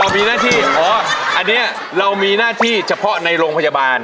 มีหน้าที่อ๋ออันนี้เรามีหน้าที่เฉพาะในโรงพยาบาล